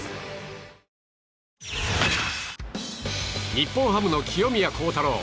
日本ハムの清宮幸太郎。